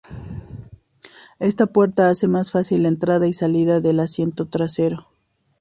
Esta puerta hace más fácil la entrada y salida del asiento trasero.